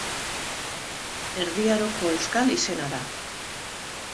Erdi Aroko euskal izena da.